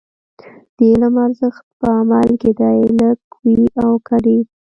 د علم ارزښت په عمل کې دی، لږ وي او که ډېر.